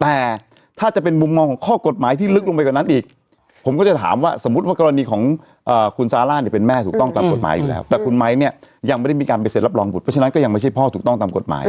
แต่ถ้าจะเป็นมุมมองของข้อกฎหมายที่ลึกลงไปกว่านั้นอีกผมก็จะถามว่าสมมุติว่ากรณีของคุณซาร่าเนี่ยเป็นแม่ถูกต้องตามกฎหมายอยู่แล้วแต่คุณไม้เนี่ยยังไม่ได้มีการไปเซ็นรับรองบุตรเพราะฉะนั้นก็ยังไม่ใช่พ่อถูกต้องตามกฎหมาย